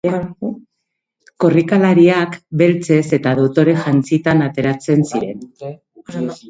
Korrikalariak beltzez eta dotore jantzita ateratzen ziren.